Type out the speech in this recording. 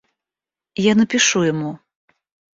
Я напишу ему.